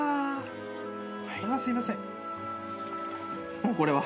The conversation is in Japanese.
もうこれは。